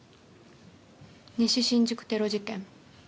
西新宿テロ事件？